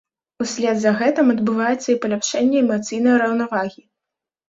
Услед за гэтым адбываецца і паляпшэнне эмацыйнай раўнавагі.